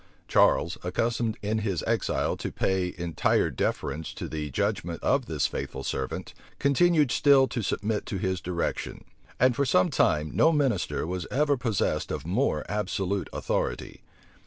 Charles, accustomed in his exile to pay entire deference to the judgment of this faithful servant, continued still to submit to his direction; and for some time no minister was ever possessed of more absolute authority.